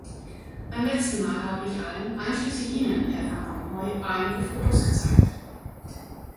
Beim letzten Mal habe ich allen, einschließlich Ihnen, Herr Van Rompuy, einige Fotos gezeigt.